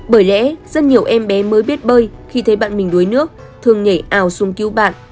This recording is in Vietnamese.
bởi lẽ rất nhiều em bé mới biết bơi khi thấy bạn mình đuối nước thường nhảy ào sung cứu bạn